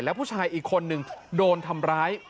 แล้วผู้ชายอีกคนนึงโดนทำร้าย